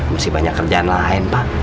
masih banyak kerjaan lain pak